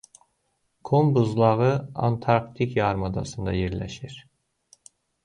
Kom buzlağı Antarktik yarımadasında yerləşir.